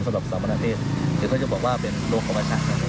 สำหรับสามเมาะเทศเหตุว่าจะเป็นโรครัฐผู้ชาญ